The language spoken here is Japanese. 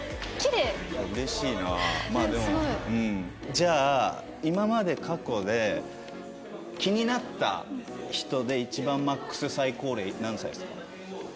じゃあ今まで過去で気になった人で一番マックス最高齢何歳ですか？